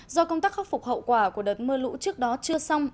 do công tác khắc phục hậu quả của đợt mưa lũ trước đó chưa xong